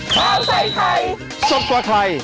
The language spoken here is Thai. ข้าวใส่ไข่สดกว่าไข่